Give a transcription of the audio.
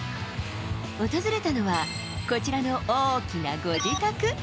訪れたのは、こちらの大きなご自宅。